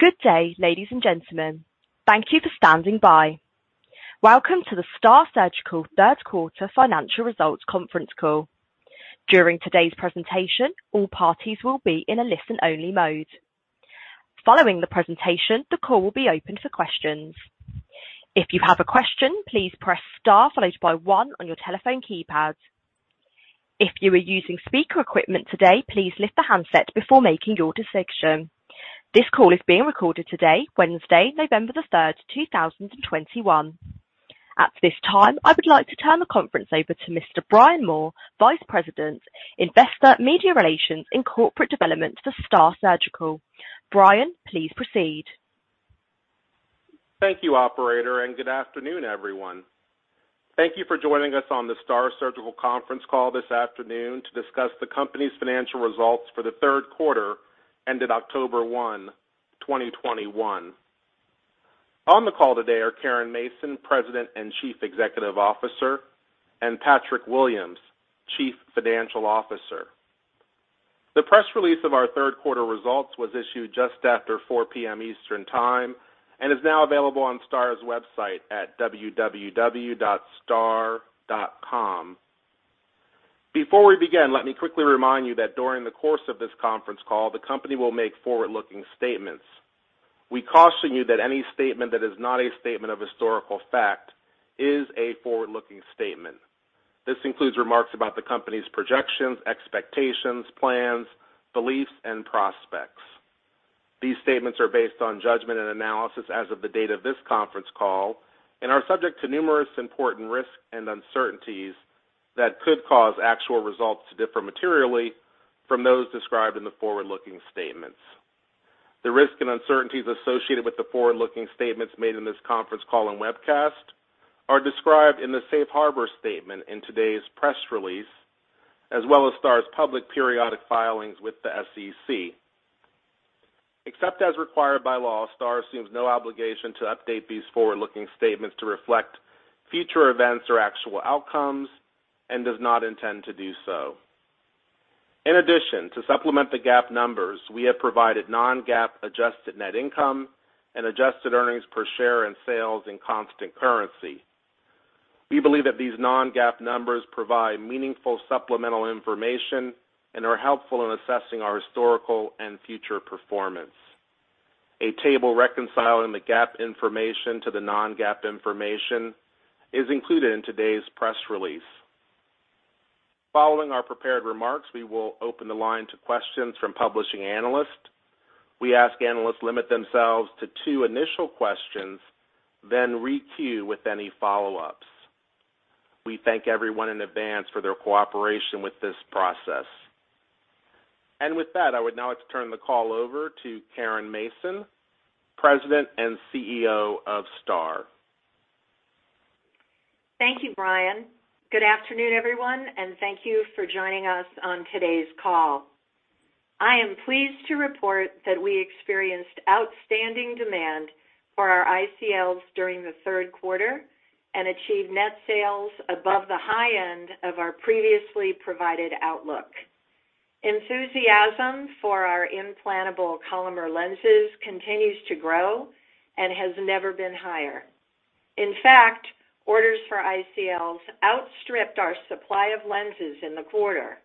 Good day, ladies and gentlemen. Thank you for standing by. Welcome to the STAAR Surgical Third Quarter Financial Results Conference Call. During today's presentation, all parties will be in a listen-only mode. Following the presentation, the call will be opened for questions. If you have a question, please press star followed by one on your telephone keypad. If you are using speaker equipment today, please lift the handset before making your decision. This call is being recorded today, Wednesday, November the third, 2021. At this time, I would like to turn the conference over to Mr. Brian Moore, Vice President, Investor, Media Relations and Corporate Development for STAAR Surgical. Brian, please proceed. Thank you, operator, and good afternoon, everyone. Thank you for joining us on the STAAR Surgical conference call this afternoon to discuss the company's financial results for the third quarter ended October 1, 2021. On the call today are Caren Mason, President and Chief Executive Officer, and Patrick Williams, Chief Financial Officer. The press release of our third quarter results was issued just after 4:00 P.M. Eastern Time and is now available on STAAR's website at www.staar.com. Before we begin, let me quickly remind you that during the course of this conference call, the company will make forward-looking statements. We caution you that any statement that is not a statement of historical fact is a forward-looking statement. This includes remarks about the company's projections, expectations, plans, beliefs, and prospects. These statements are based on judgment and analysis as of the date of this conference call and are subject to numerous important risks and uncertainties that could cause actual results to differ materially from those described in the forward-looking statements. The risks and uncertainties associated with the forward-looking statements made in this conference call and webcast are described in the safe harbor statement in today's press release, as well as STAAR's public periodic filings with the SEC. Except as required by law, STAAR assumes no obligation to update these forward-looking statements to reflect future events or actual outcomes and does not intend to do so. In addition, to supplement the GAAP numbers, we have provided non-GAAP adjusted net income and adjusted earnings per share and sales in constant currency. We believe that these non-GAAP numbers provide meaningful supplemental information and are helpful in assessing our historical and future performance. A table reconciling the GAAP information to the non-GAAP information is included in today's press release. Following our prepared remarks, we will open the line to questions from publishing analysts. We ask analysts limit themselves to two initial questions, then re-queue with any follow-ups. We thank everyone in advance for their cooperation with this process. With that, I would now like to turn the call over to Caren Mason, President and CEO of STAAR. Thank you, Brian. Good afternoon, everyone, and thank you for joining us on today's call. I am pleased to report that we experienced outstanding demand for our ICLs during the third quarter and achieved net sales above the high end of our previously provided outlook. Enthusiasm for our Implantable Collamer Lenses continues to grow and has never been higher. In fact, orders for ICLs outstripped our supply of lenses in the quarter.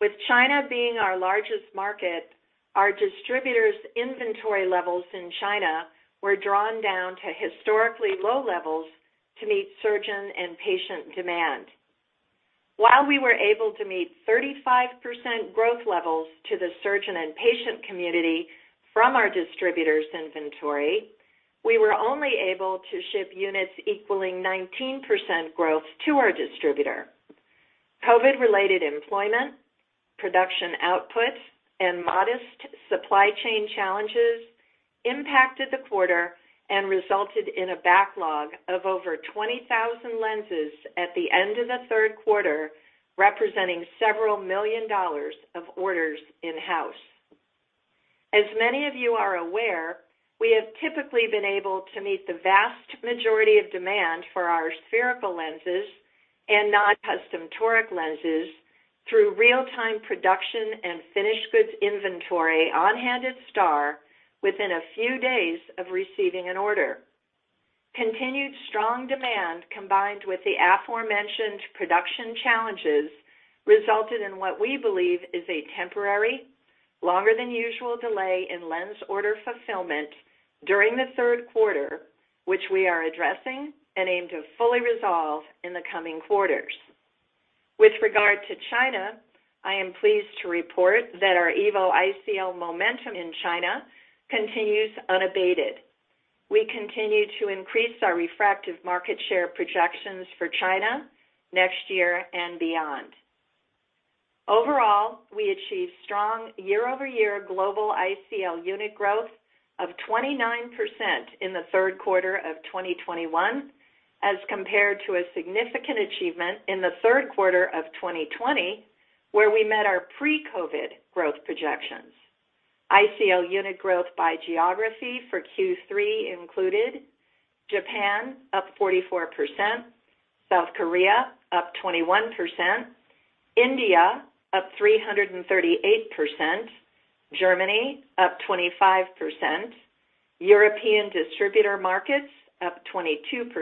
With China being our largest market, our distributors' inventory levels in China were drawn down to historically low levels to meet surgeon and patient demand. While we were able to meet 35% growth levels to the surgeon and patient community from our distributors' inventory, we were only able to ship units equaling 19% growth to our distributor. COVID-related employment, production outputs, and modest supply chain challenges impacted the quarter and resulted in a backlog of over 20,000 lenses at the end of the third quarter, representing $several million of orders in-house. As many of you are aware, we have typically been able to meet the vast majority of demand for our spherical lenses and non-custom toric lenses through real-time production and finished goods inventory on-hand at STAAR within a few days of receiving an order. Continued strong demand combined with the aforementioned production challenges resulted in what we believe is a temporary, longer than usual delay in lens order fulfillment during the third quarter, which we are addressing and aim to fully resolve in the coming quarters. With regard to China, I am pleased to report that our EVO ICL momentum in China continues unabated. We continue to increase our refractive market share projections for China next year and beyond. Overall, we achieved strong year-over-year global ICL unit growth of 29% in the third quarter of 2021, as compared to a significant achievement in the third quarter of 2020, where we met our pre-COVID growth projections. ICL unit growth by geography for Q3 included Japan up 44%, South Korea up 21%, India up 338%, Germany up 25%, European distributor markets up 22%,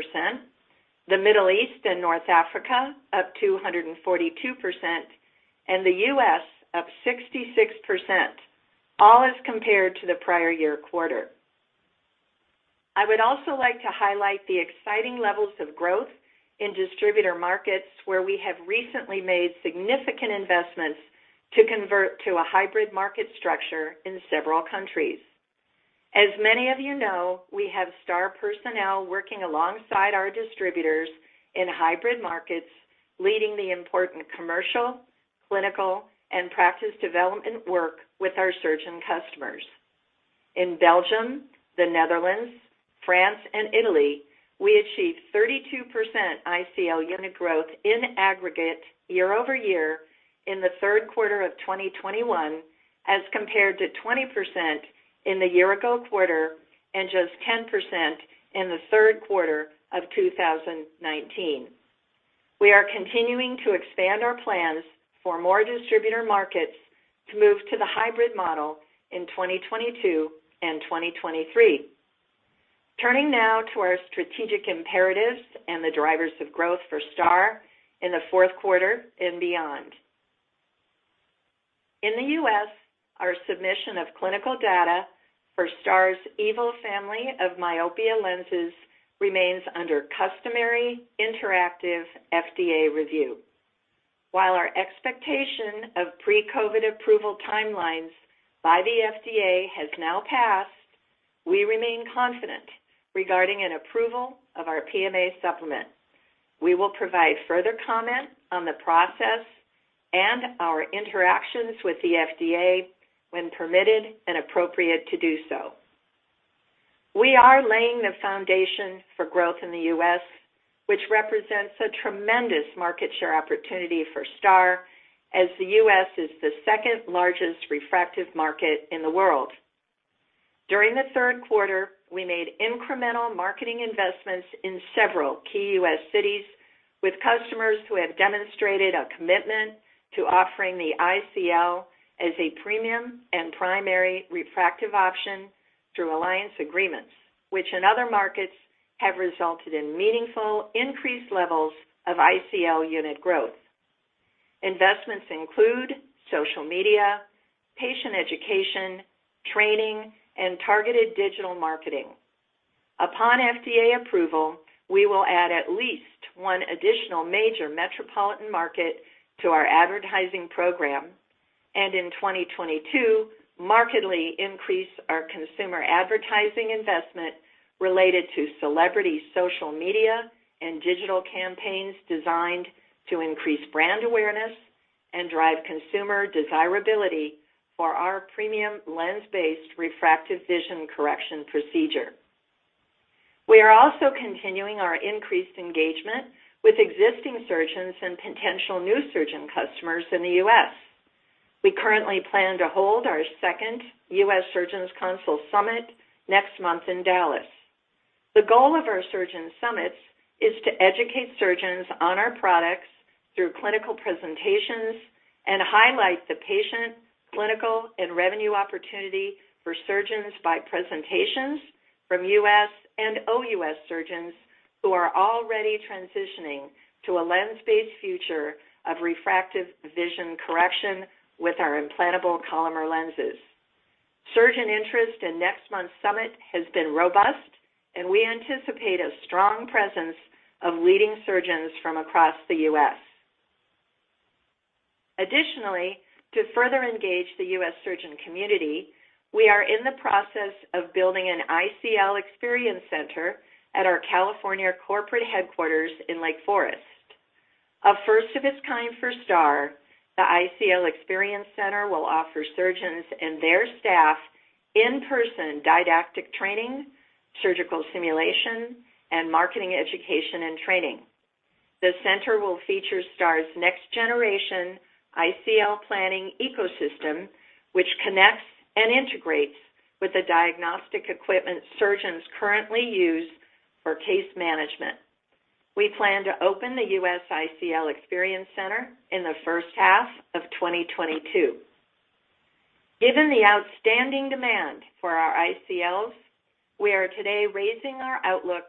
the Middle East and North Africa up 242%, and the U.S. up 66%, all as compared to the prior year quarter. I would also like to highlight the exciting levels of growth in distributor markets where we have recently made significant investments to convert to a hybrid market structure in several countries. As many of you know, we have STAAR personnel working alongside our distributors in hybrid markets, leading the important commercial, clinical, and practice development work with our surgeon customers. In Belgium, the Netherlands, France, and Italy, we achieved 32% ICL unit growth in aggregate year-over-year in the third quarter of 2021, as compared to 20% in the year ago quarter and just 10% in the third quarter of 2019. We are continuing to expand our plans for more distributor markets to move to the hybrid model in 2022 and 2023. Turning now to our strategic imperatives and the drivers of growth for STAAR in the fourth quarter and beyond. In the U.S., our submission of clinical data for STAAR's EVO family of myopia lenses remains under customary interactive FDA review. While our expectation of pre-COVID approval timelines by the FDA has now passed, we remain confident regarding an approval of our PMA supplement. We will provide further comment on the process and our interactions with the FDA when permitted and appropriate to do so. We are laying the foundation for growth in the U.S., which represents a tremendous market share opportunity for STAAR, as the U.S. is the second-largest refractive market in the world. During the third quarter, we made incremental marketing investments in several key U.S. cities with customers who have demonstrated a commitment to offering the ICL as a premium and primary refractive option through alliance agreements, which in other markets have resulted in meaningful increased levels of ICL unit growth. Investments include social media, patient education, training, and targeted digital marketing. Upon FDA approval, we will add at least one additional major metropolitan market to our advertising program. In 2022, markedly increase our consumer advertising investment related to celebrity social media and digital campaigns designed to increase brand awareness and drive consumer desirability for our premium lens-based refractive vision correction procedure. We are also continuing our increased engagement with existing surgeons and potential new surgeon customers in the U.S. We currently plan to hold our second U.S. Surgeons Council Summit next month in Dallas. The goal of our surgeon summits is to educate surgeons on our products through clinical presentations and highlight the patient, clinical, and revenue opportunity for surgeons by presentations from U.S. and OUS surgeons who are already transitioning to a lens-based future of refractive vision correction with our Implantable Collamer Lenses. Surgeon interest in next month's summit has been robust, and we anticipate a strong presence of leading surgeons from across the U.S. Additionally, to further engage the U.S. surgeon community, we are in the process of building an EVO Experience Center at our California corporate headquarters in Lake Forest. A first of its kind for STAAR, the EVO Experience Center will offer surgeons and their staff in-person didactic training, surgical simulation, and marketing education and training. The center will feature STAAR's next-generation ICL planning ecosystem, which connects and integrates with the diagnostic equipment surgeons currently use for case management. We plan to open the U.S. EVO Experience Center in the first half of 2022. Given the outstanding demand for our ICLs, we are today raising our outlook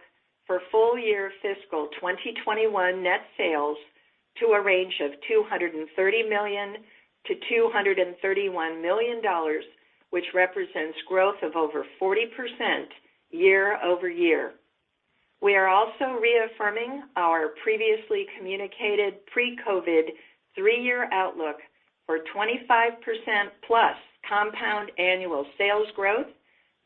for full-year fiscal 2021 net sales to a range of $230 million-$231 million, which represents growth of over 40% year-over-year. We are also reaffirming our previously communicated pre-COVID three-year outlook for 25%+ compound annual sales growth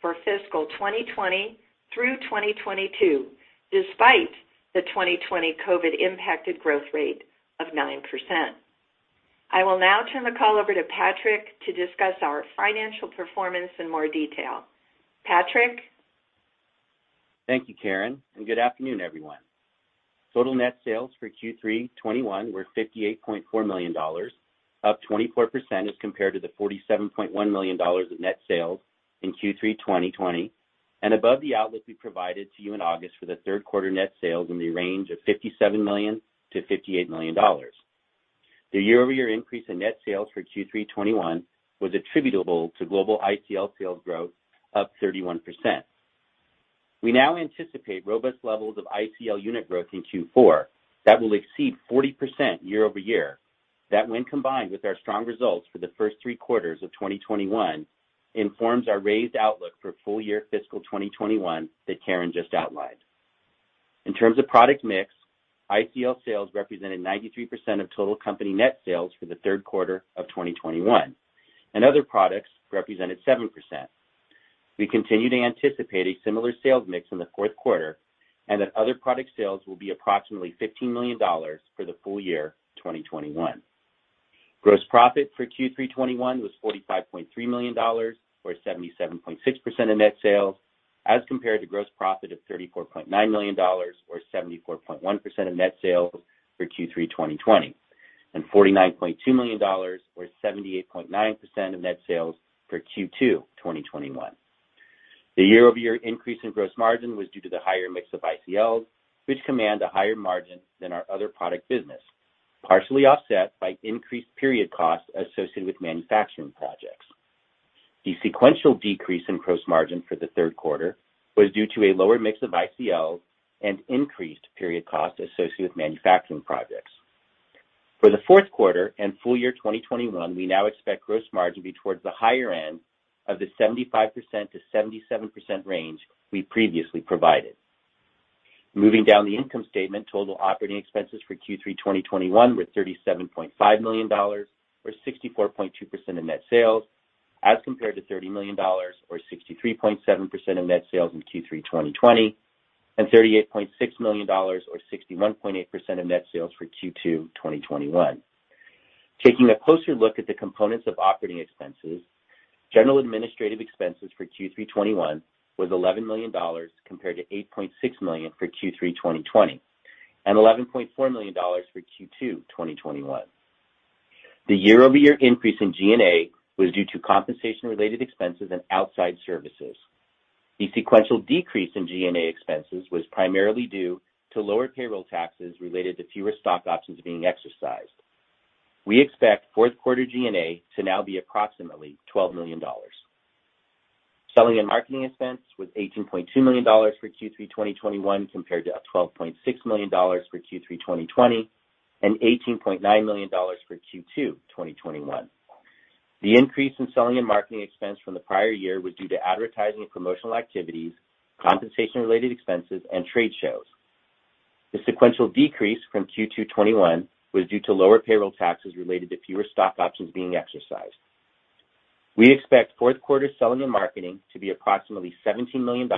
for fiscal 2020 through 2022, despite the 2020 COVID impacted growth rate of 9%. I will now turn the call over to Patrick to discuss our financial performance in more detail. Patrick. Thank you, Caren, and good afternoon, everyone. Total net sales for Q3 2021 were $58.4 million. Up 24% as compared to the $47.1 million of net sales in Q3 2020 and above the outlook we provided to you in August for the third quarter net sales in the range of $57 million-$58 million. The year-over-year increase in net sales for Q3 2021 was attributable to global ICL sales growth up 31%. We now anticipate robust levels of ICL unit growth in Q4 that will exceed 40% year-over-year. That when combined with our strong results for the first three quarters of 2021, informs our raised outlook for full year fiscal 2021 that Caren just outlined. In terms of product mix, ICL sales represented 93% of total company net sales for the third quarter of 2021, and other products represented 7%. We continue to anticipate a similar sales mix in the fourth quarter and that other product sales will be approximately $15 million for the full year 2021. Gross profit for Q3 2021 was $45.3 million or 77.6% of net sales, as compared to gross profit of $34.9 million or 74.1% of net sales for Q3 2020, and $49.2 million or 78.9% of net sales for Q2 2021. The year-over-year increase in gross margin was due to the higher mix of ICLs, which command a higher margin than our other product business, partially offset by increased period costs associated with manufacturing projects. The sequential decrease in gross margin for the third quarter was due to a lower mix of ICLs and increased period costs associated with manufacturing projects. For the fourth quarter and full year 2021, we now expect gross margin to be towards the higher end of the 75%-77% range we previously provided. Moving down the income statement, total operating expenses for Q3 2021 were $37.5 million or 64.2% of net sales, as compared to $30 million or 63.7% of net sales in Q3 2020, and $38.6 million or 61.8% of net sales for Q2 2021. Taking a closer look at the components of operating expenses, general administrative expenses for Q3 2021 was $11 million compared to $8.6 million for Q3 2020, and $11.4 million for Q2 2021. The year-over-year increase in G&A was due to compensation related expenses and outside services. The sequential decrease in G&A expenses was primarily due to lower payroll taxes related to fewer stock options being exercised. We expect fourth quarter G&A to now be approximately $12 million. Selling and marketing expense was $18.2 million for Q3 2021 compared to $12.6 million for Q3 2020 and $18.9 million for Q2 2021. The increase in selling and marketing expense from the prior year was due to advertising and promotional activities, compensation related expenses and trade shows. The sequential decrease from Q2 2021 was due to lower payroll taxes related to fewer stock options being exercised. We expect fourth quarter selling and marketing to be approximately $17 million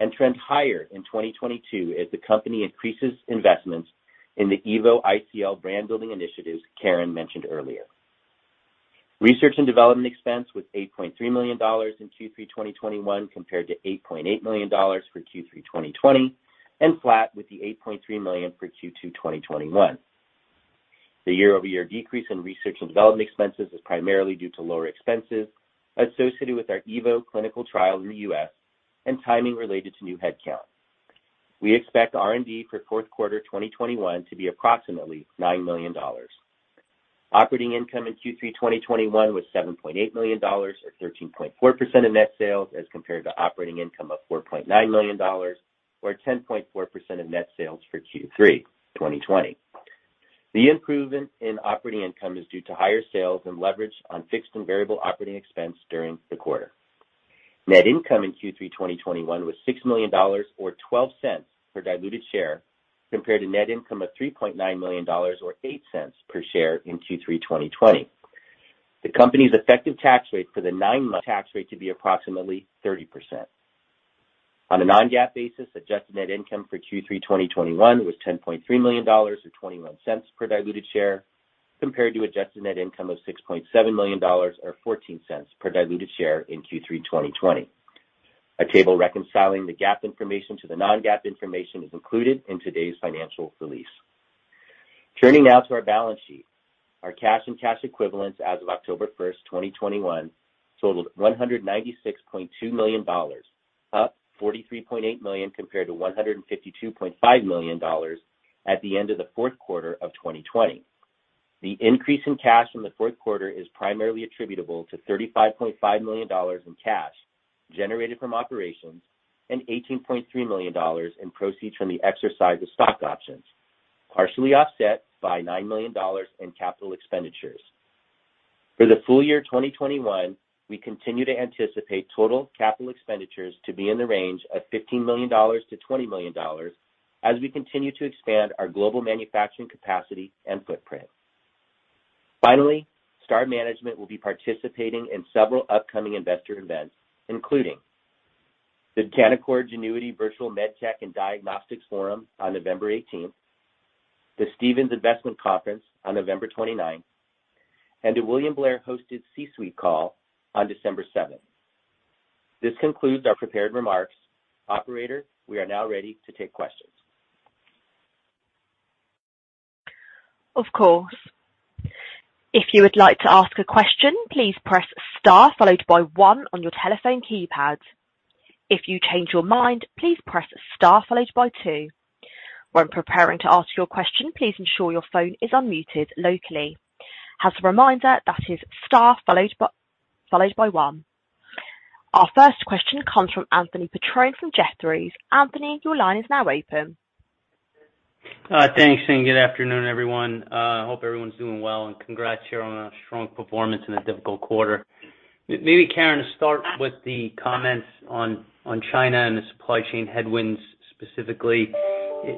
and trend higher in 2022 as the company increases investments in the EVO ICL brand building initiatives Caren mentioned earlier. Research and development expense was $8.3 million in Q3 2021 compared to $8.8 million for Q3 2020, and flat with the $8.3 million for Q2 2021. The year-over-year decrease in research and development expenses is primarily due to lower expenses associated with our EVO clinical trial in the U.S. and timing related to new headcount. We expect R&D for fourth quarter 2021 to be approximately $9 million. Operating income in Q3 2021 was $7.8 million, or 13.4% of net sales, as compared to operating income of $4.9 million, or 10.4% of net sales for Q3 2020. The improvement in operating income is due to higher sales and leverage on fixed and variable operating expense during the quarter. Net income in Q3 2021 was $6 million, or $0.12 per diluted share compared to net income of $3.9 million, or $0.08 per share in Q3 2020. The company's effective tax rate for the nine months to be approximately 30%. On a non-GAAP basis, adjusted net income for Q3 2021 was $10.3 million or $0.21 per diluted share, compared to adjusted net income of $6.7 million or $0.14 per diluted share in Q3 2020. A table reconciling the GAAP information to the non-GAAP information is included in today's financial release. Turning now to our balance sheet. Our cash and cash equivalents as of October 1, 2021 totaled $196.2 million, up $43.8 million compared to $152.5 million at the end of the fourth quarter of 2020. The increase in cash from the fourth quarter is primarily attributable to $35.5 million in cash generated from operations and $18.3 million in proceeds from the exercise of stock options, partially offset by $9 million in capital expenditures. For the full year 2021, we continue to anticipate total capital expenditures to be in the range of $15 million-$20 million as we continue to expand our global manufacturing capacity and footprint. Finally, STAAR management will be participating in several upcoming investor events, including the Canaccord Genuity Virtual MedTech and Diagnostics Forum on November 18, the Stephens Investment Conference on November 29, and the William Blair hosted C-Suite Call on December 7. This concludes our prepared remarks. Operator, we are now ready to take questions. Of course. If you would like to ask a question, please press star followed by one on your telephone keypad. If you change your mind, please press star followed by two. When preparing to ask your question, please ensure your phone is unmuted locally. As a reminder, that is star followed by one. Our first question comes from Anthony Petrone from Jefferies. Anthony, your line is now open. Thanks, good afternoon, everyone. Hope everyone's doing well, and congrats here on a strong performance in a difficult quarter. Maybe, Caren, start with the comments on China and the supply chain headwinds specifically.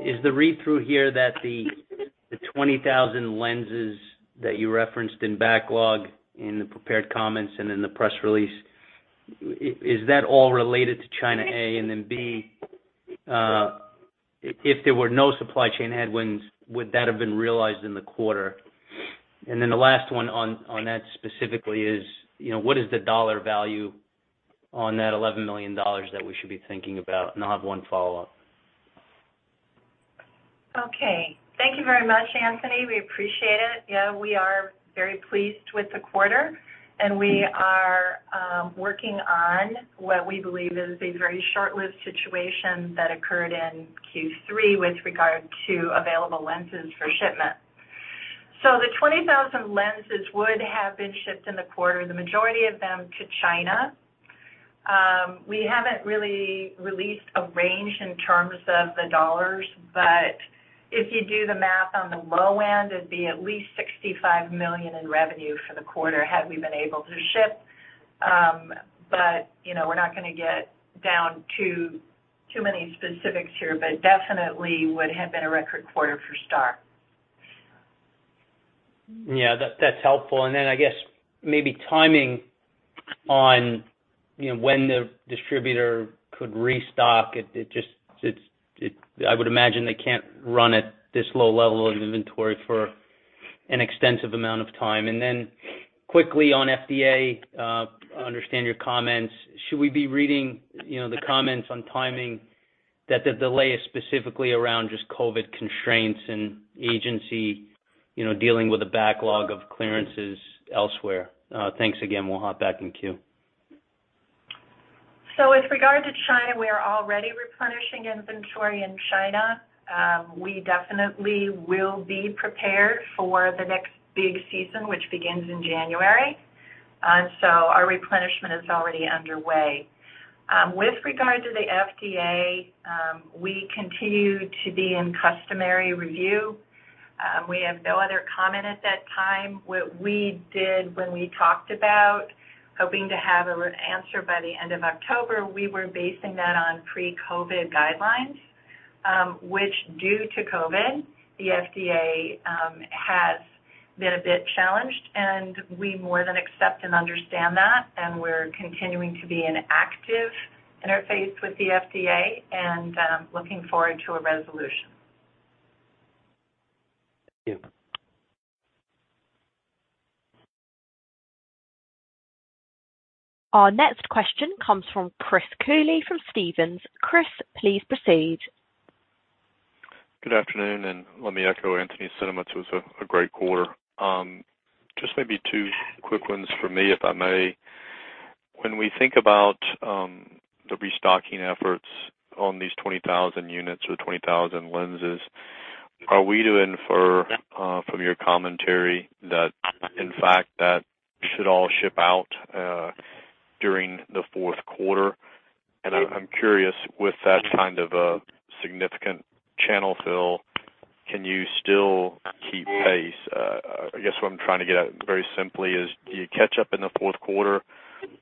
Is the read-through here that the 20,000 lenses that you referenced in backlog in the prepared comments and in the press release, is that all related to China, A? And then B, if there were no supply chain headwinds, would that have been realized in the quarter? And then the last one on that specifically is, you know, what is the dollar value on that $11 million that we should be thinking about? And I'll have one follow-up. Okay. Thank you very much, Anthony. We appreciate it. Yeah, we are very pleased with the quarter, and we are working on what we believe is a very short-lived situation that occurred in Q3 with regard to available lenses for shipment. The 20,000 lenses would have been shipped in the quarter, the majority of them to China. We haven't really released a range in terms of the dollars, but if you do the math on the low end, it'd be at least $65 million in revenue for the quarter had we been able to ship. But, you know, we're not gonna get down to too many specifics here, but it definitely would have been a record quarter for STAAR. Yeah, that's helpful. I guess maybe timing on, you know, when the distributor could restock. It just. It's. I would imagine they can't run at this low level of inventory for an extensive amount of time. Quickly on FDA, I understand your comments. Should we be reading, you know, the comments on timing that the delay is specifically around just COVID constraints and agency, you know, dealing with a backlog of clearances elsewhere? Thanks again. We'll hop back in queue. With regard to China, we are already replenishing inventory in China. We definitely will be prepared for the next big season, which begins in January. Our replenishment is already underway. With regard to the FDA, we continue to be in customary review. We have no other comment at that time. What we did when we talked about hoping to have an answer by the end of October, we were basing that on pre-COVID guidelines. Which due to COVID, the FDA has been a bit challenged, and we more than accept and understand that, and we're continuing to be an active interface with the FDA and looking forward to a resolution. Thank you. Our next question comes from Chris Cooley from Stephens. Chris, please proceed. Good afternoon, and let me echo Anthony's sentiments. It was a great quarter. Just maybe two quick ones for me, if I may. When we think about the restocking efforts on these 20,000 units or 20,000 lenses, are we to infer from your commentary that in fact that should all ship out during the fourth quarter? I'm curious with that kind of a significant channel fill, can you still keep pace? I guess what I'm trying to get at very simply is, do you catch up in the fourth quarter,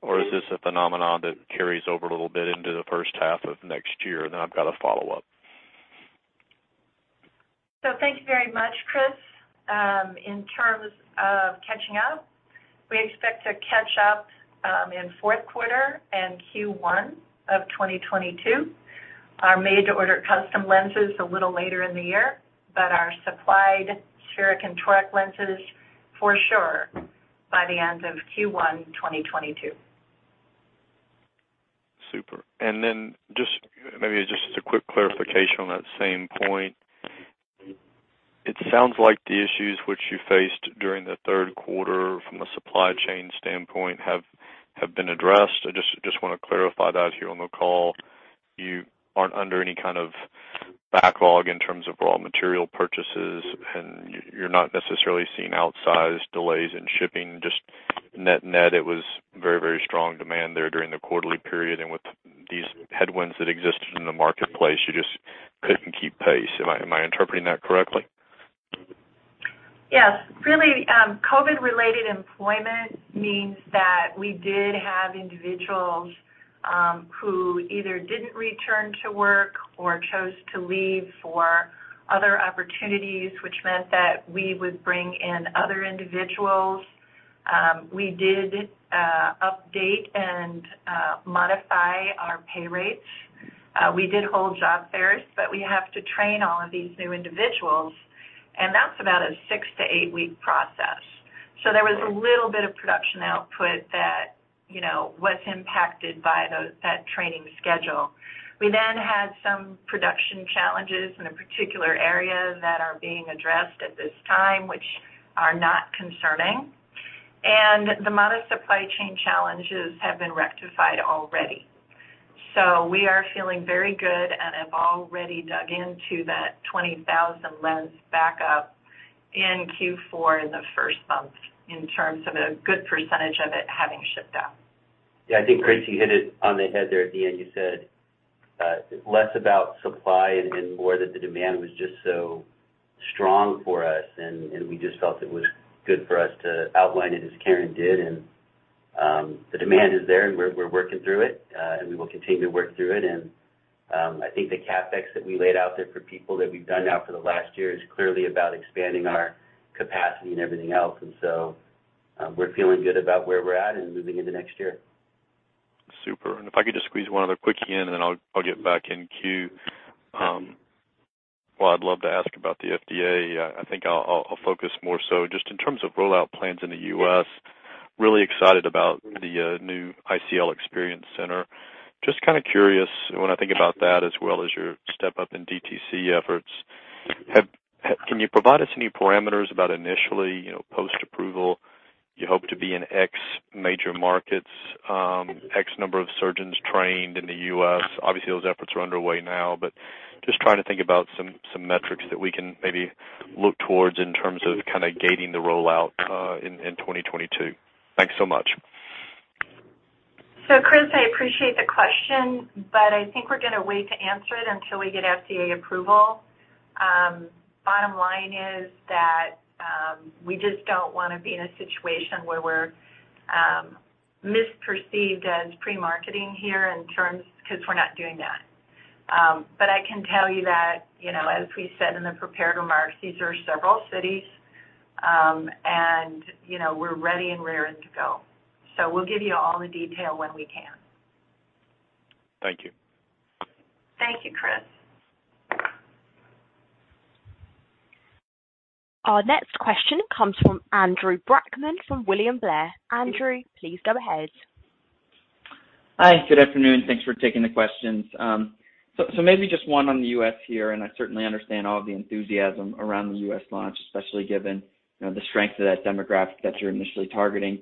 or is this a phenomenon that carries over a little bit into the first half of next year? Then I've got a follow-up. Thank you very much, Chris. In terms of catching up, we expect to catch up in fourth quarter and Q1 of 2022. Our made-to-order custom lens is a little later in the year, but our supplied spherical and toric lenses, for sure, by the end of Q1, 2022. Super. Then maybe just a quick clarification on that same point. It sounds like the issues which you faced during the third quarter from a supply chain standpoint have been addressed. I just wanna clarify that here on the call. You aren't under any kind of backlog in terms of raw material purchases, and you're not necessarily seeing outsized delays in shipping. Just net-net, it was very, very strong demand there during the quarterly period. With these headwinds that existed in the marketplace, you just couldn't keep pace. Am I interpreting that correctly? Yes. Really, COVID-related employment means that we did have individuals who either didn't return to work or chose to leave for other opportunities, which meant that we would bring in other individuals. We did update and modify our pay rates. We did hold job fairs, but we have to train all of these new individuals, and that's about a 6-8-week process. There was a little bit of production output that, you know, was impacted by that training schedule. We had some production challenges in a particular area that are being addressed at this time, which are not concerning. The modest supply chain challenges have been rectified already. We are feeling very good and have already dug into that 20,000 lens backup in Q4 in the first month in terms of a good percentage of it having shipped out. Yeah. I think, Chris, you hit it on the head there at the end. You said, less about supply and more that the demand was just so strong for us, and we just felt it was good for us to outline it as Karen did. The demand is there, and we're working through it, and we will continue to work through it. I think the CapEx that we laid out there for people that we've done now for the last year is clearly about expanding our capacity and everything else. We're feeling good about where we're at and moving into next year. Super. If I could just squeeze one other quickie in, and then I'll get back in queue. While I'd love to ask about the FDA, I think I'll focus more so just in terms of rollout plans in the U.S., really excited about the new ICL Experience Center. Just kinda curious, when I think about that as well as your step-up in DTC efforts, can you provide us any parameters about initially, you know, post-approval, you hope to be in X major markets, X number of surgeons trained in the U.S.? Obviously, those efforts are underway now, but just trying to think about some metrics that we can maybe look towards in terms of kinda gating the rollout, in 2022. Thank you so much. Chris, I appreciate the question, but I think we're gonna wait to answer it until we get FDA approval. Bottom line is that, we just don't wanna be in a situation where we're misperceived as pre-marketing here in terms because we're not doing that. But I can tell you that, you know, as we said in the prepared remarks, these are several cities, and, you know, we're ready and raring to go. We'll give you all the detail when we can. Thank you. Thank you, Chris. Our next question comes from Andrew Brackmann from William Blair. Andrew, please go ahead. Hi. Good afternoon. Thanks for taking the questions. Maybe just one on the U.S. here, and I certainly understand all of the enthusiasm around the U.S. launch, especially given, you know, the strength of that demographic that you're initially targeting.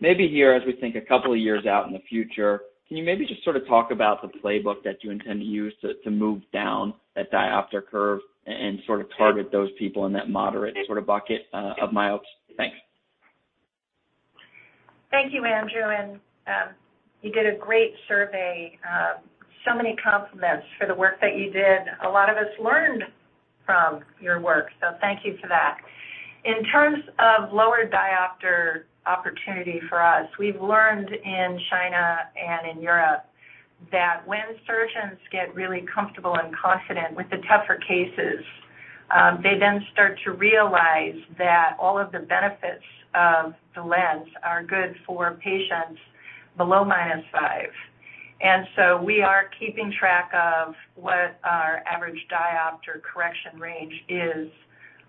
Maybe here, as we think a couple of years out in the future, can you maybe just sort of talk about the playbook that you intend to use to move down that diopter curve and sort of target those people in that moderate sort of bucket of myopes? Thanks. Thank you, Andrew, and you did a great survey. So many compliments for the work that you did. A lot of us learned from your work, so thank you for that. In terms of lower diopter opportunity for us, we've learned in China and in Europe that when surgeons get really comfortable and confident with the tougher cases, they then start to realize that all of the benefits of the lens are good for patients below -5. We are keeping track of what our average diopter correction range is,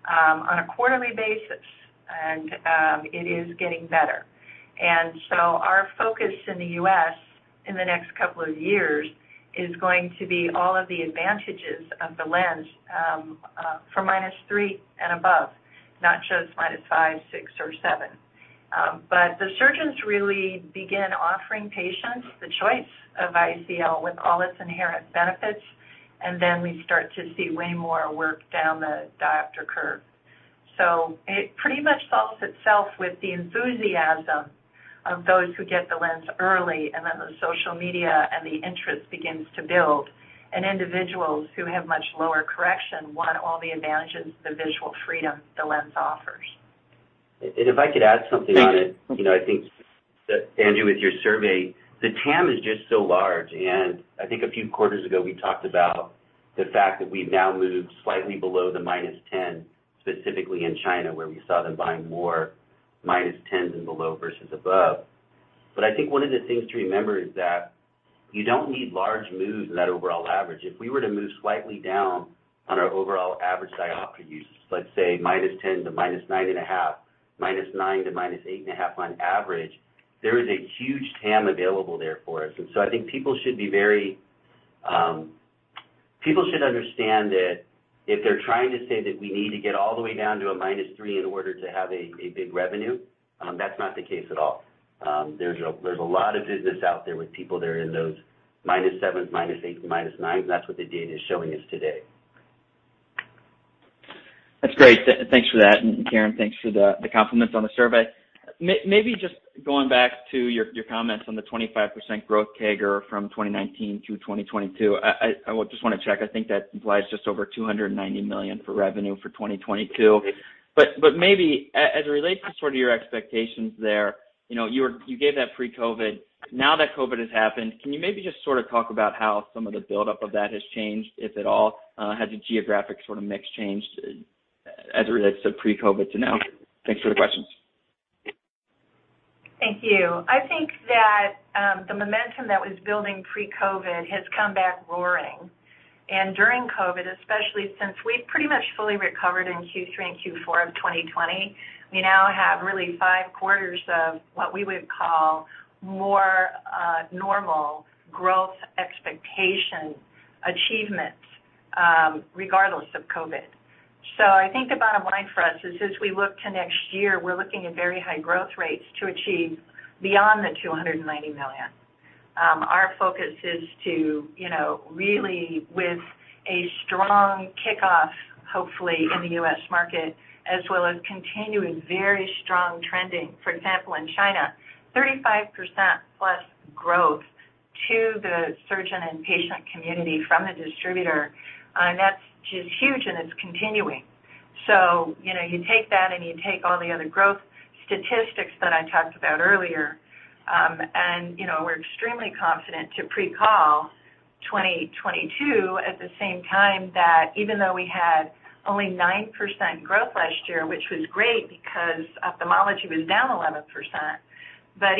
on a quarterly basis, and it is getting better. Our focus in the U.S. in the next couple of years is going to be all of the advantages of the lens for -3 and above, not just -5, -6, or -7. The surgeons really begin offering patients the choice of ICL with all its inherent benefits, and then we start to see way more work down the diopter curve. It pretty much solves itself with the enthusiasm of those who get the lens early, and then the social media and the interest begins to build, and individuals who have much lower correction want all the advantages, the visual freedom the lens offers. If I could add something on it. Thank you. You know, I think that, Andrew, with your survey, the TAM is just so large, and I think a few quarters ago, we talked about the fact that we've now moved slightly below the -10, specifically in China, where we saw them buying more -10s in the low versus above. I think one of the things to remember is that you don't need large moves in that overall average. If we were to move slightly down on our overall average diopter use, let's say -10 to -9.5, -9 to -8.5 on average, there is a huge TAM available there for us. I think people should be very, People should understand that if they're trying to say that we need to get all the way down to a -3 in order to have a big revenue, that's not the case at all. There's a lot of business out there with people that are in those -7s, -8s, and -9s. That's what the data is showing us today. That's great. Thanks for that. Caren, thanks for the compliments on the survey. Maybe just going back to your comments on the 25% growth CAGR from 2019 through 2022, I well, just wanna check. I think that implies just over $290 million for revenue for 2022. But maybe as it relates to sort of your expectations there, you know, you gave that pre-COVID. Now that COVID has happened, can you maybe just sort of talk about how some of the buildup of that has changed, if at all? Has the geographic sort of mix changed as it relates to pre-COVID to now? Thanks for the questions. Thank you. I think that, the momentum that was building pre-COVID has come back roaring. During COVID, especially since we've pretty much fully recovered in Q3 and Q4 of 2020, we now have really five quarters of what we would call more, normal growth expectation achievements, regardless of COVID. I think the bottom line for us is as we look to next year, we're looking at very high growth rates to achieve beyond the $290 million. Our focus is to, you know, really with a strong kickoff, hopefully in the U.S. market, as well as continuing very strong trending. For example, in China, 35%+ growth to the surgeon and patient community from the distributor, and that's just huge and it's continuing. You know, you take that and you take all the other growth statistics that I talked about earlier, and, you know, we're extremely confident to pre-call 2022 at the same time that even though we had only 9% growth last year, which was great because ophthalmology was down 11%.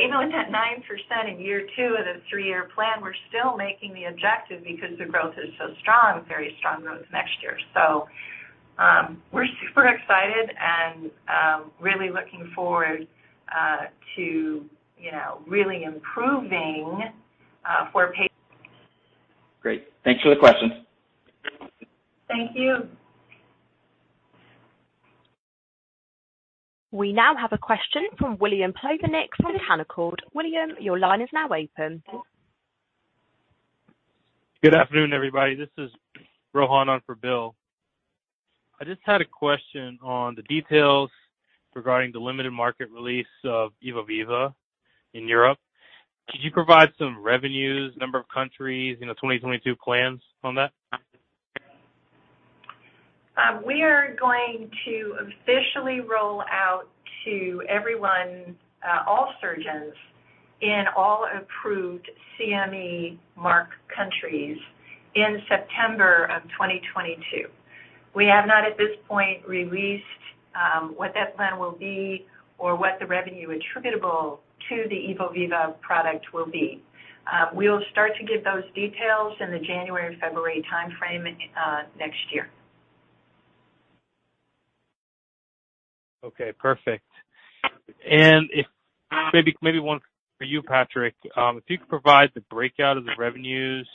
Even with that 9% in year two of the three-year plan, we're still making the objective because the growth is so strong, very strong growth next year. We're super excited and really looking forward to you know, really improving. Great. Thanks for the question. Thank you. We now have a question from William Plovanic from Canaccord. William, your line is now open. Good afternoon, everybody. This is Rohan on for Will. I just had a question on the details regarding the limited market release of EVO Viva in Europe. Could you provide some revenues, number of countries, you know, 2022 plans on that? We are going to officially roll out to everyone, all surgeons in all approved CE mark countries in September 2022. We have not at this point released what that plan will be or what the revenue attributable to the EVO Viva product will be. We'll start to give those details in the January, February timeframe, next year. Okay, perfect. If maybe one for you, Patrick. If you could provide the breakout of the revenues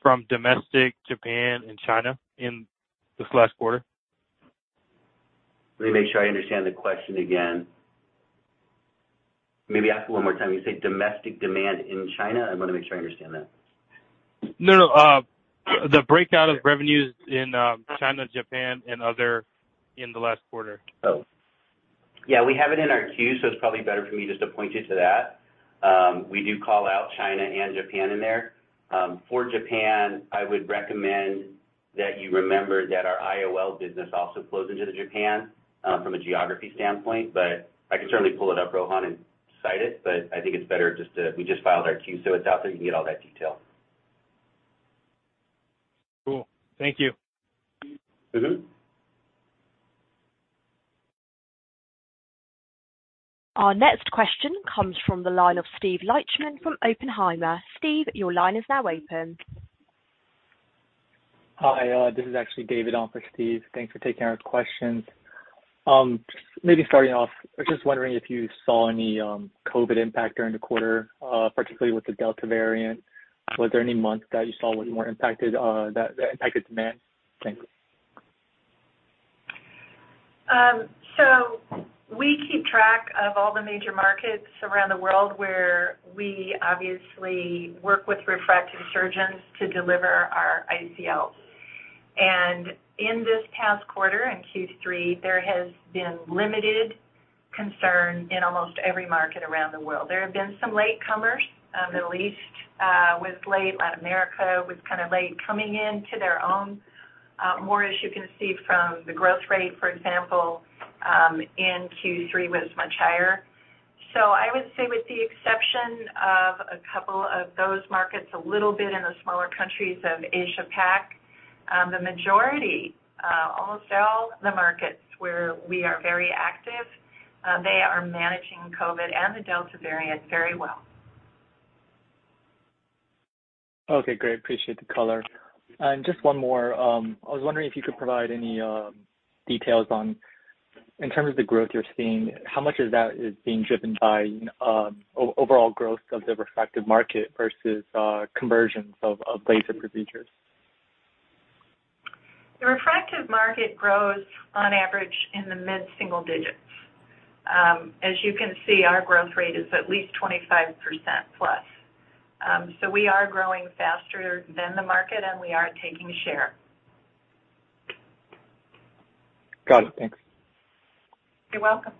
from domestic, Japan, and China in this last quarter. Let me make sure I understand the question again. Maybe ask it one more time. You say domestic demand in China? I wanna make sure I understand that. No, no. The breakdown of revenues in China, Japan and other in the last quarter. Oh, yeah, we have it in our Q, so it's probably better for me just to point you to that. We do call out China and Japan in there. For Japan, I would recommend that you remember that our IOL business also flows into Japan from a geography standpoint, but I can certainly pull it up, Rohan, and cite it. I think it's better. We just filed our Q, so it's out there. You can get all that detail. Cool. Thank you. Mm-hmm. Our next question comes from the line of Steve Lichtman from Oppenheimer. Steve, your line is now open. Hi, this is actually David on for Steve. Thanks for taking our questions. Maybe starting off, I was just wondering if you saw any COVID impact during the quarter, particularly with the Delta variant. Was there any month that you saw was more impacted, that impacted demand? Thanks. We keep track of all the major markets around the world where we obviously work with refractive surgeons to deliver our ICL. In this past quarter, in Q3, there has been limited concern in almost every market around the world. There have been some latecomers. The Middle East was late. Latin America was kinda late coming in to their own, more as you can see from the growth rate, for example, in Q3 was much higher. I would say with the exception of a couple of those markets, a little bit in the smaller countries of Asia PAC, the majority, almost all the markets where we are very active, they are managing COVID and the Delta variant very well. Okay, great. Appreciate the color. Just one more. I was wondering if you could provide any details on in terms of the growth you're seeing, how much of that is being driven by overall growth of the refractive market versus conversions of laser procedures? The refractive market grows on average in the mid-single digits. As you can see, our growth rate is at least 25% plus. We are growing faster than the market, and we are taking share. Got it. Thanks. You're welcome.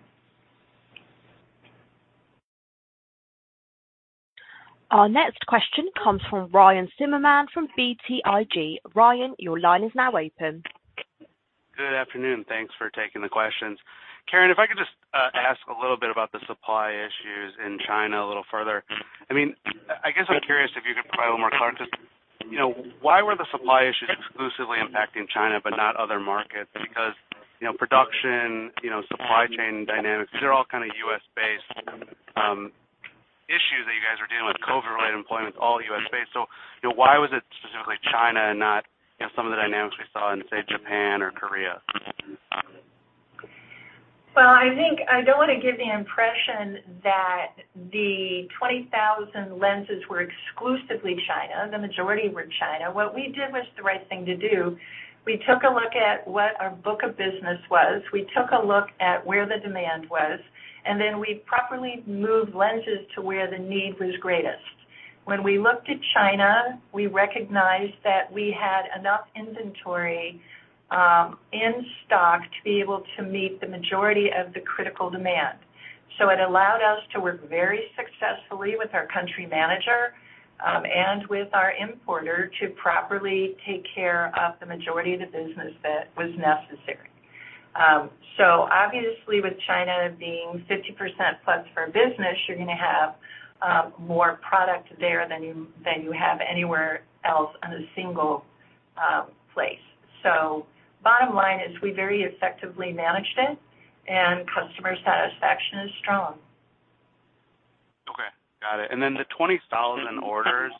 Our next question comes from Ryan Zimmerman from BTIG. Ryan, your line is now open. Good afternoon. Thanks for taking the questions. Caren, if I could just ask a little bit about the supply issues in China a little further. I mean, I'm curious if you could provide a little more color. Just, you know, why were the supply issues exclusively impacting China but not other markets? Because, you know, production, you know, supply chain dynamics, these are all kind of U.S.-based issues that you guys are dealing with. COVID-related employment, all U.S.-based. You know, why was it specifically China and not, you know, some of the dynamics we saw in, say, Japan or Korea? I think I don't want to give the impression that the 20,000 lenses were exclusively China. The majority were China. What we did was the right thing to do. We took a look at what our book of business was. We took a look at where the demand was, and then we properly moved lenses to where the need was greatest. When we looked at China, we recognized that we had enough inventory in stock to be able to meet the majority of the critical demand. It allowed us to work very successfully with our country manager and with our importer to properly take care of the majority of the business that was necessary. Obviously with China being 50% plus for business, you're gonna have more product there than you have anywhere else in a single place. Bottom line is we very effectively managed it and customer satisfaction is strong. Okay. Got it. The 20,000 orders,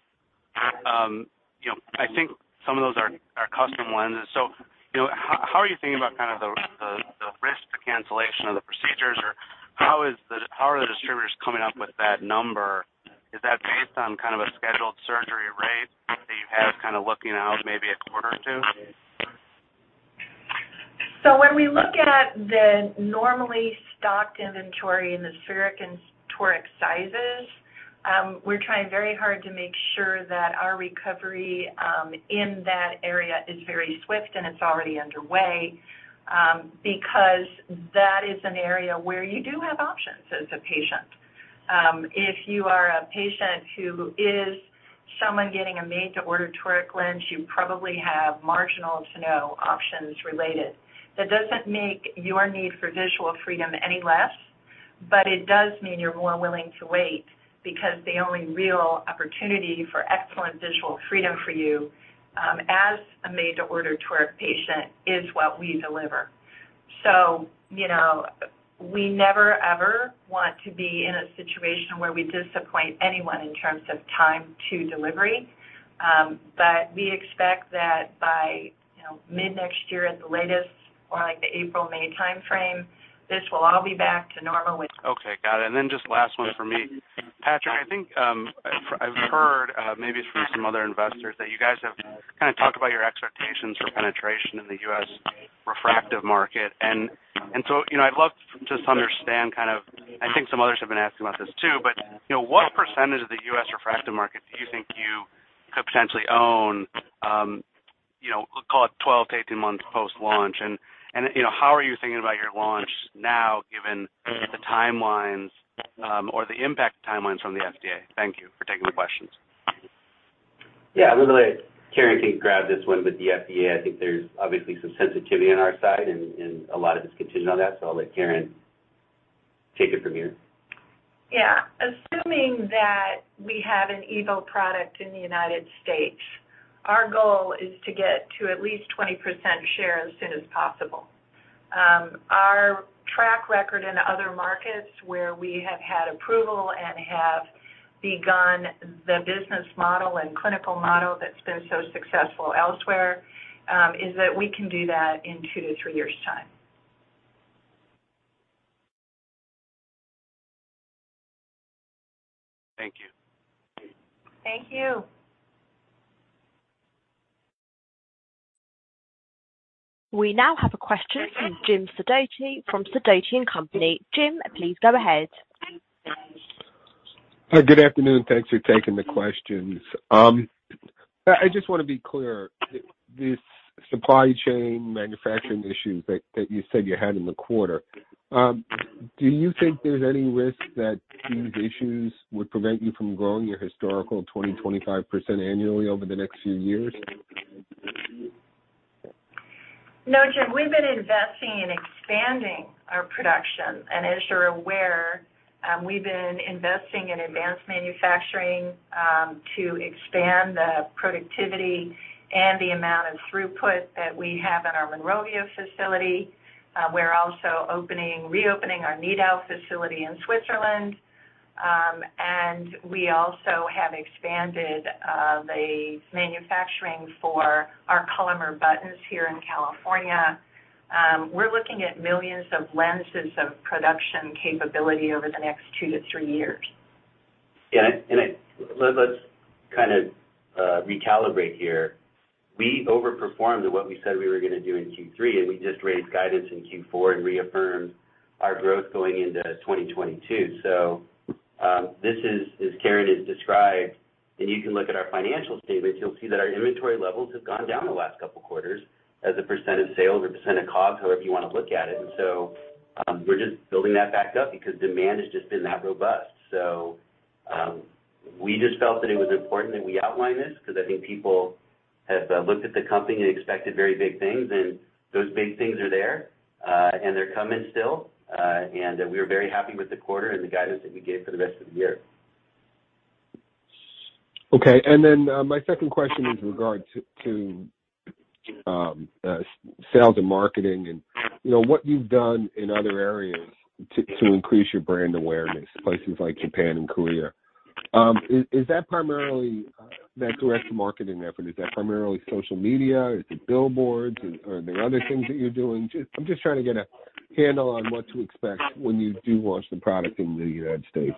you know, I think some of those are custom lenses. You know, how are you thinking about kind of the risk of cancellation of the procedures? Or how are the distributors coming up with that number? Is that based on kind of a scheduled surgery rate that you have kind of looking out maybe a quarter or two? When we look at the normally stocked inventory in the spherical and toric sizes, we're trying very hard to make sure that our recovery in that area is very swift and it's already underway, because that is an area where you do have options as a patient. If you are a patient who is someone getting a made-to-order toric lens, you probably have marginal to no options related. That doesn't make your need for visual freedom any less, but it does mean you're more willing to wait because the only real opportunity for excellent visual freedom for you, as a made-to-order toric patient is what we deliver. You know, we never ever want to be in a situation where we disappoint anyone in terms of time to delivery, but we expect that by, you know, mid-next year at the latest, more like the April-May timeframe, this will all be back to normal with. Okay. Got it. Then just last one for me. Patrick, I think I've heard maybe it's from some other investors that you guys have kind of talked about your expectations for penetration in the U.S. refractive market. You know, I'd love to just understand kind of, I think some others have been asking about this too, but you know, what percentage of the U.S. refractive market do you think you could potentially own, you know, call it 12-18 months post-launch? You know, how are you thinking about your launch now given the timelines or the impact timelines from the FDA? Thank you for taking the questions. Yeah. I'm gonna let Caren grab this one. With the FDA, I think there's obviously some sensitivity on our side and a lot of it's contingent on that, so I'll let Caren take it from here. Yeah. Assuming that we have an EVO product in the United States, our goal is to get to at least 20% share as soon as possible. Our track record in other markets where we have had approval and have begun the business model and clinical model that's been so successful elsewhere is that we can do that in 2-3 years' time. Thank you. Thank you. We now have a question from Jim Sidoti from Sidoti & Company. Jim, please go ahead. Hi. Good afternoon. Thanks for taking the questions. I just wanna be clear. This supply chain manufacturing issues that you said you had in the quarter, do you think there's any risk that these issues would prevent you from growing your historical 20%-25% annually over the next few years? No, Jim. We've been investing in expanding our production. As you're aware, we've been investing in advanced manufacturing to expand the productivity and the amount of throughput that we have in our Monrovia facility. We're also reopening our Nidau facility in Switzerland. We also have expanded the manufacturing for our Collamer buttons here in California. We're looking at millions of lenses of production capability over the next 2-3 years. Let's kind of recalibrate here. We overperformed at what we said we were gonna do in Q3, and we just raised guidance in Q4 and reaffirmed our growth going into 2022. This is, as Caren has described, and you can look at our financial statements, you'll see that our inventory levels have gone down the last couple quarters as a % of sales or % of COGS, however you wanna look at it. We're just building that back up because demand has just been that robust. We just felt that it was important that we outline this because I think people have looked at the company and expected very big things, and those big things are there, and they're coming still. We are very happy with the quarter and the guidance that we gave for the rest of the year. Okay. My second question is in regard to sales and marketing and, you know, what you've done in other areas to increase your brand awareness, places like Japan and Korea. Is that primarily that direct marketing effort, is that primarily social media? Is it billboards? Are there other things that you're doing? I'm just trying to get a handle on what to expect when you do launch the product in the United States.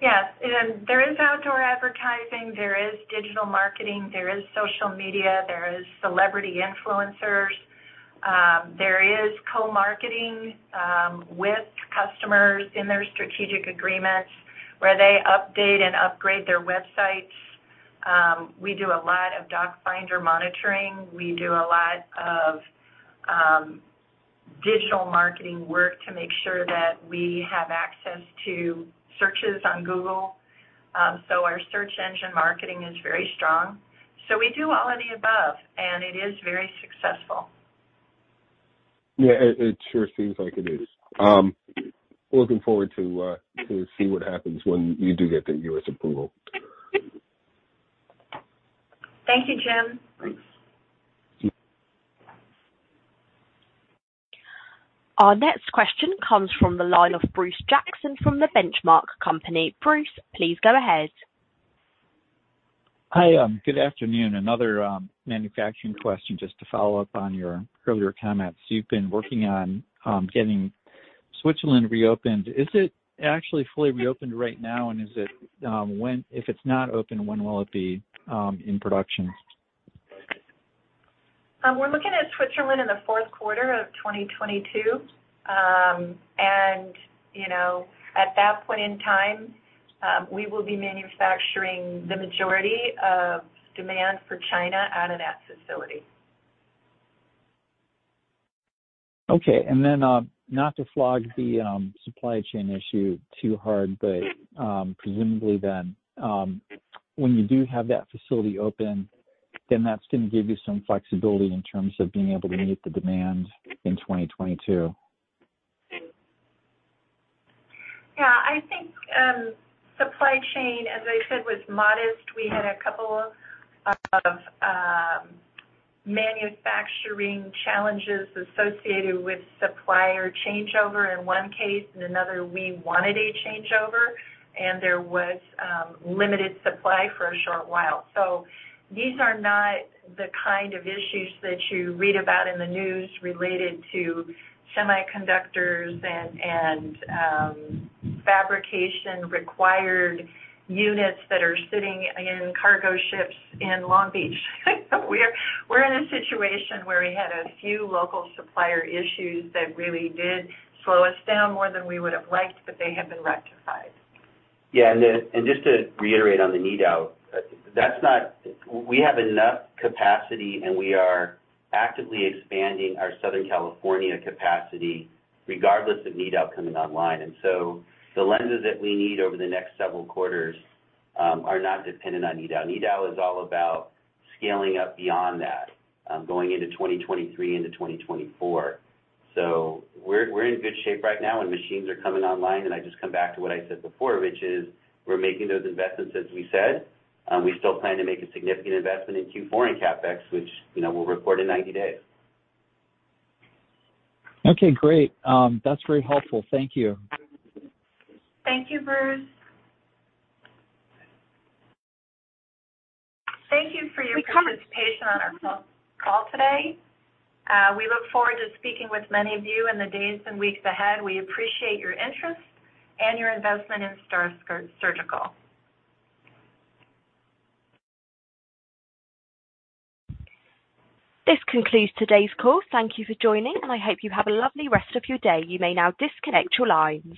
Yes. There is outdoor advertising, there is digital marketing, there is social media, there is celebrity influencers, there is co-marketing, with customers in their strategic agreements where they update and upgrade their websites. We do a lot of doc finder monitoring. We do a lot of digital marketing work to make sure that we have access to searches on Google. Our search engine marketing is very strong. We do all of the above, and it is very successful. Yeah. It sure seems like it is. Looking forward to see what happens when you do get the U.S. approval. Thank you, Jim. Thanks. Our next question comes from the line of Bruce Jackson from the Benchmark Company. Bruce, please go ahead. Hi. Good afternoon. Another manufacturing question just to follow up on your earlier comments. You've been working on getting Switzerland reopened. Is it actually fully reopened right now? If it's not open, when will it be in production? We're looking at Switzerland in the fourth quarter of 2022. You know, at that point in time, we will be manufacturing the majority of demand for China out of that facility. Okay. Then, not to flog the supply chain issue too hard, but, presumably then, when you do have that facility open, then that's going to give you some flexibility in terms of being able to meet the demand in 2022. Yeah. I think supply chain, as I said, was modest. We had a couple of manufacturing challenges associated with supplier changeover in one case. In another, we wanted a changeover, and there was limited supply for a short while. These are not the kind of issues that you read about in the news related to semiconductors and fabrication required units that are sitting in cargo ships in Long Beach. We're in a situation where we had a few local supplier issues that really did slow us down more than we would have liked, but they have been rectified. Just to reiterate on the Nidau, we have enough capacity, and we are actively expanding our Southern California capacity regardless of Nidau coming online. The lenses that we need over the next several quarters are not dependent on Nidau. Nidau is all about scaling up beyond that, going into 2023 into 2024. We're in good shape right now, and machines are coming online. I just come back to what I said before, which is we're making those investments, as we said. We still plan to make a significant investment in Q4 in CapEx, which, you know, we'll report in 90 days. Okay, great. That's very helpful. Thank you. Thank you, Bruce. Thank you for your participation on our call today. We look forward to speaking with many of you in the days and weeks ahead. We appreciate your interest and your investment in STAAR Surgical. This concludes today's call. Thank you for joining, and I hope you have a lovely rest of your day. You may now disconnect your lines.